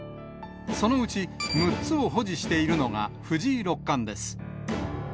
そのうち６つを保持しているのが藤井六冠です。